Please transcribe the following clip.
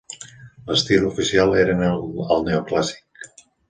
L'estil oficial era el neoclàssic.